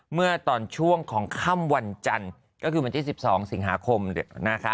เมื่อตอนช่วงของค่ำวันจันทร์ก็คือวันที่๑๒สิงหาคมนะคะ